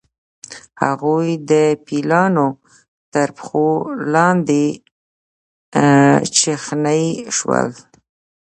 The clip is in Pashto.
هغوی د پیلانو تر پښو لاندې چخڼي شول.